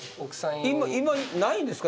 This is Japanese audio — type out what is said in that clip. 今ないんですか？